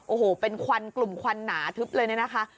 โอ้โหเป็นกลุ่มควันหนาทึบเลยนะค่ะ